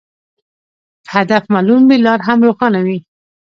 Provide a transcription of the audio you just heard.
که هدف معلوم وي، لار هم روښانه وي.